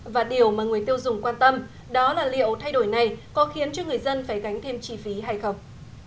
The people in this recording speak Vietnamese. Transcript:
và điều mà người tiêu dùng quan tâm đó là liệu thay đổi này có khiến cho người dân phải gánh thêm chi phí hay không